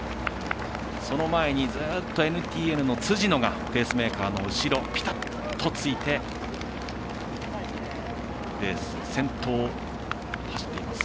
その前にＮＴＮの辻野がペースメーカーの後ろぴたっとついてレースの先頭を走っています。